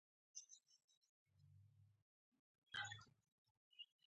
هلته بیا فلېور ته زیات ارزښت ورکول کېږي.